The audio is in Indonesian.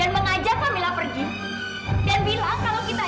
dan bilang kalau kita ini adalah calon mertua yang jahat